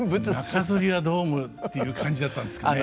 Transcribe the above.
「中剃りはどうも」っていう感じだったんですかね。